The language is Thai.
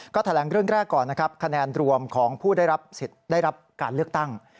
ก็แถลงเรื่องแรกก่อนคะแนนรวมของผู้ได้รับการเลือกตั้ง